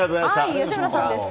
吉村さんでした。